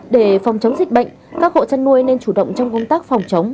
để phòng chống dịch bệnh các hộ chăn nuôi nên chủ động trong công tác phòng chống